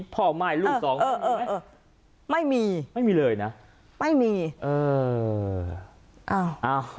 พ่อไม่ลูกสองไม่มีไม่มีเลยนะไม่มีเออเอ้า